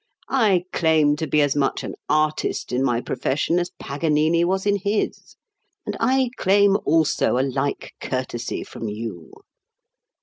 I claim to be as much an artist in my profession as Paganini was in his, and I claim also a like courtesy from you.